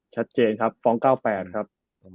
ชัดเจนครับฟ้อง๙๘ครับ